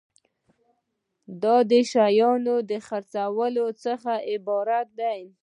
دا د شیانو د خرڅولو څخه عبارت دی.